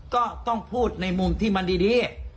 ก็ต้องพูดในมุมที่มันดี